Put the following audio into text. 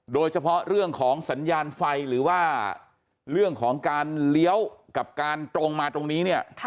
โดยเฉพาะเรื่องของสัญญาณไฟหรือว่าเรื่องของการเลี้ยวกับการตรงมาตรงนี้เนี่ย